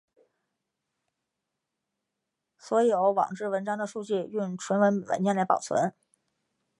所有网志文章的数据用纯文本文件来保存。